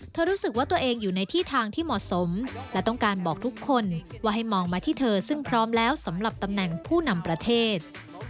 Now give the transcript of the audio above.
รู้สึกว่าตัวเองอยู่ในที่ทางที่เหมาะสมและต้องการบอกทุกคนว่าให้มองมาที่เธอซึ่งพร้อมแล้วสำหรับตำแหน่งผู้นำประเทศ